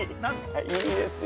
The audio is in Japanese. いいですよ。